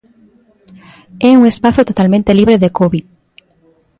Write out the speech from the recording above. É un espazo totalmente libre de covid.